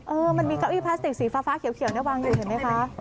มันมีเก้าอี้พลาสติกสีฟ้าเขียวเนี่ยวางอยู่เห็นไหมคะ